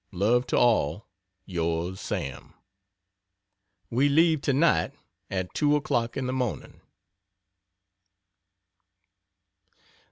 Love to all, yrs. SAM. We leave tonight, at two o'clock in the morning.